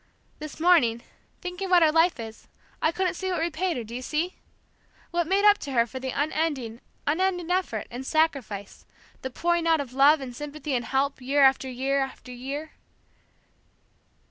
This morning, thinking what her life is, I couldn't see what repaid her, do you see? What made up to her for the unending, unending effort, and sacrifice, the pouring out of love and sympathy and help year after year after year...."